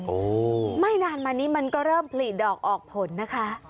โอ้โหไม่นานมานี้มันก็เริ่มผลิดอกออกผลนะคะ